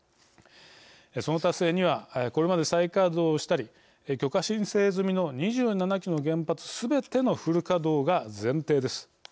その達成にはこれまで再稼働したり許可申請済みの２７基の原発すべてのフル稼働が前提です。